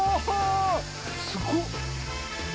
すごっ！